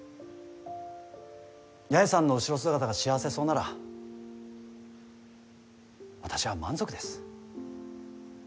八重さんの後ろ姿が幸せそうなら私は満足です。